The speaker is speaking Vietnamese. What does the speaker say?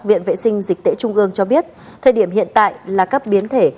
viện vệ sinh dịch tễ trung ương cho biết thời điểm hiện tại là các biến thể